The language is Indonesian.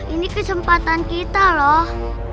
ini kesempatan kita loh